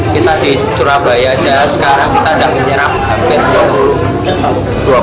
kita di surabaya aja sekarang kita udah menyeram